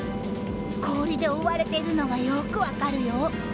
氷で覆われているのがよく分かるよ。